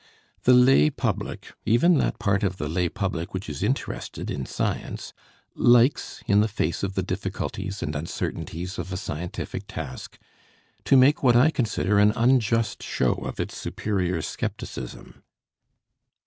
The lay public, even that part of the lay public which is interested in science, likes, in the face of the difficulties and uncertainties of a scientific task, to make what I consider an unjust show of its superior scepticism.